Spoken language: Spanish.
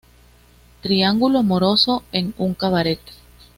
Triángulo amoroso en un cabaret.